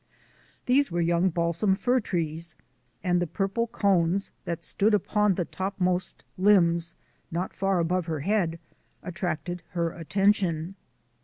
These were young balsam fir trees and the purple cones that stood upon the topmost limbs not far above her head attracted her attention.